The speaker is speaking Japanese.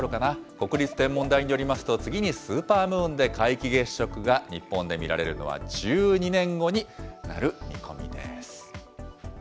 国立天文台によりますと、次にスーパームーンで皆既月食が日本で見られるのは１２年後になる見込みです。